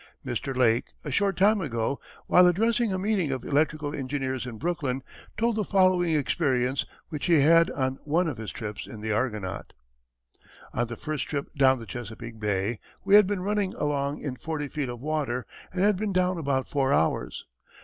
Mr. Lake, a short time ago, while addressing a meeting of electrical engineers in Brooklyn, told the following experience which he had on one of his trips in the Argonaut: On the first trip down the Chesapeake Bay, we had been running along in forty feet of water and had been down about four hours.